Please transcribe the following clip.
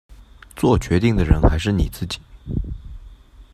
作决定的人还是你自己